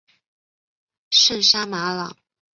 圣沙马朗。